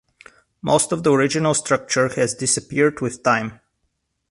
Most of the original structure has disappeared with time.